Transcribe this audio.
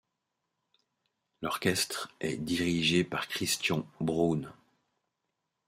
L'orchestre est dirigé par Christian Bruhn.